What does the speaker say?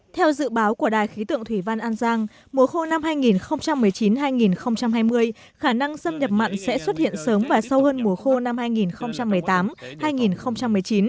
theo dự báo của đài khí tượng thủy văn an giang mùa khô năm hai nghìn một mươi chín hai nghìn hai mươi khả năng xâm nhập mặn sẽ xuất hiện sớm và sâu hơn mùa khô năm hai nghìn một mươi tám hai nghìn một mươi chín